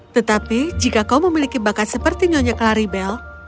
tetapi jika kau memiliki bakat seperti nyonya claribel